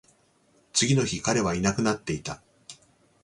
次の日、彼はいなくなっていた